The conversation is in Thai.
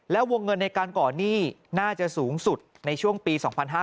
แล้ววงเงินในการก่อนหนี้น่าจะสูงสุดในช่วงปี๒๕๕๙